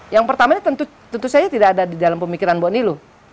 yang pertama ini tentu saja tidak ada di dalam pemikiran mbak nilo